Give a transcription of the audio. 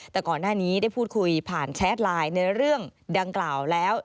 แต่ก่อนหน้านี้ได้พูดคุยผ่านแชทไลน์ในเรื่องดังกล่าวแล้ว